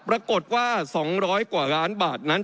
ปรากฏว่า๒๐๐กว่าล้านบาทนั้น